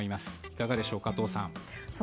いかがでしょうか、加藤さん。